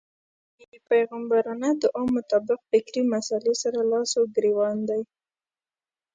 دې پيغمبرانه دعا مطابق فکري مسئلې سره لاس و ګرېوان دی.